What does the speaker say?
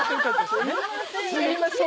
すみません。